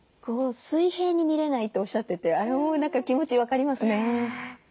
水平に見れないとおっしゃっててあれも何か気持ち分かりますね。